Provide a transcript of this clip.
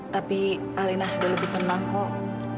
tapi alina sudah lebih penang kok